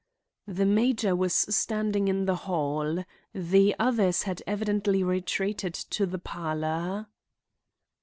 The major was standing in the hall. The others had evidently retreated to the parlor.